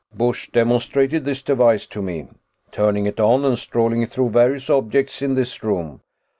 "Busch demonstrated this device to me, turning it on and strolling through various objects in this room.